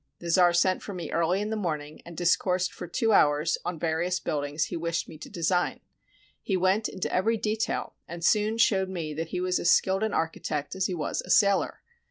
The czar sent for me early in the morning and discoursed for two hours on various buildings he wished me to de sign. He went into every detail, and soon showed me that he was as skilled an architect as he was a sailor.